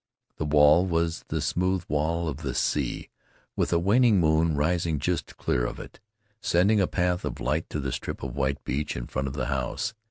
The wall was the smooth wall of the sea, with a waning moon rising just clear of it, sending a path of light to the strip of white beach in front of the house.